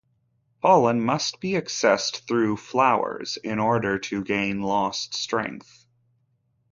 Pollen must be accessed through flowers in order to gain lost strength.